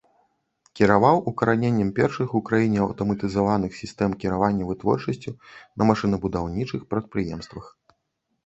Кіраваў укараненнем першых у краіне аўтаматызаваных сістэм кіравання вытворчасцю на машынабудаўнічых прадпрыемствах.